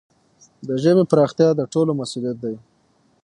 د ژبي پراختیا د ټولو مسؤلیت دی.